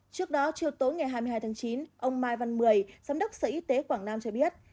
trước đó chiều tối ngày hai mươi hai tháng chín ông mai văn mười giám đốc sở y tế quảng nam cho biết